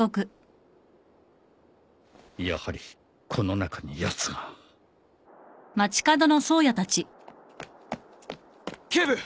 やはりこの中にやつが警部！